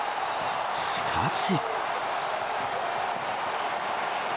しかし。